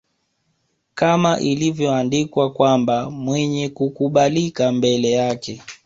Kama ilivyoandikwa kwamba Mwenye kukubalika mbele yake